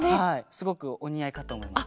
すごくおにあいかとおもいます。